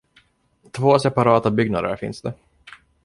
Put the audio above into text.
Två separata byggnader finns det.